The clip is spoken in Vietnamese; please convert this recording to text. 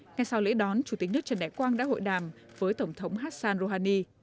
ngay sau lễ đón chủ tịch nước trần đại quang đã hội đàm với tổng thống hassan rouhani